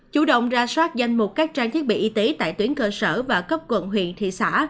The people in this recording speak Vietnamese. chủ động ra soát danh mục các trang thiết bị y tế tại tuyến cơ sở và cấp quận huyện thị xã